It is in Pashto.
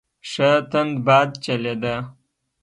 ښه تند باد چلیده.